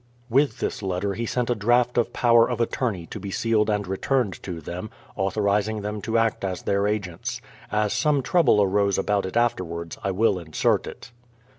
With this letter he sent a draft of power of attorney to be sealed and returned to them, authorizing them to act as their agents. As some trouble arose about it after wards, I will insert it.